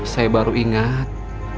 saya baru ingat